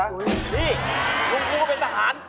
ดีลุงครูเป็นทหาร